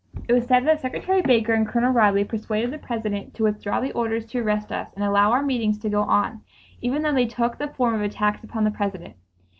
It was said that Secretary Baker and Colonel Ridley persuaded the President to withdraw the orders to arrest us and allow our meetings to go on, even though they took the form of attacks upon the President.